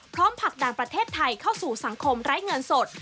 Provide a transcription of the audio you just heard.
ผลักดันประเทศไทยเข้าสู่สังคมไร้เงินสด